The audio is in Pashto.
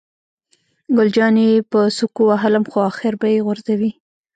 ګل جانې په سوک ووهلم، خو آخر به یې غورځوي.